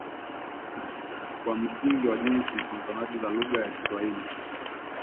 Kwa msingi wa jinsi konsonanti za lugha ya Kiswahili